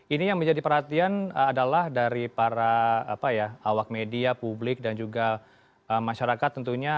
ini yang menjadi perhatian adalah dari para awak media publik dan juga masyarakat tentunya